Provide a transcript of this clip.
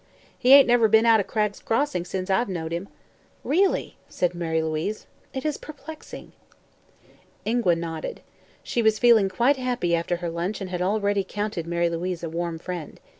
"He ain't never been out of Cragg's Crossing sence I've knowed him." "Really," said Mary Louise, "it is perplexing." Ingua nodded. She was feeling quite happy after her lunch and already counted Mary Louise a warm friend.